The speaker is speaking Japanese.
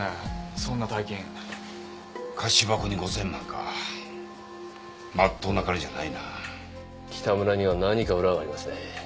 そんな大金菓子箱に５０００万かまっとうな金じゃないな北村には何か裏がありますね